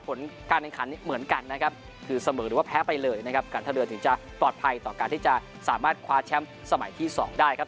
ผลการแข่งขันนี้เหมือนกันนะครับคือเสมอหรือว่าแพ้ไปเลยนะครับการท่าเรือถึงจะปลอดภัยต่อการที่จะสามารถคว้าแชมป์สมัยที่๒ได้ครับ